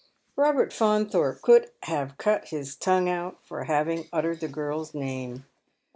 Robert Faunthorpe could have cut out his tongue for ha"\ang uttered the girl's name.